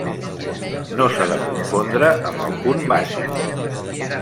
No s'ha de confondre amb el punt bàsic.